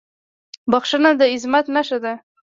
• بښنه د عظمت نښه ده.